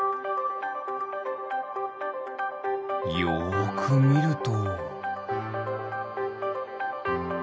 よくみると。